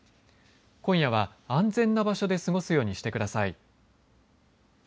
今夜は安全な場所で過ごすようにしてください。